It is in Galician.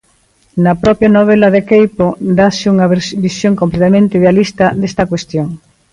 Na propia novela de Queipo dáse unha visión completamente idealista desta cuestión.